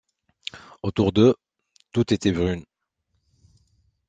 Autour d’eux, tout était brume